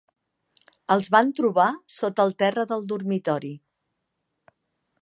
Els van trobar sota el terra del dormitori.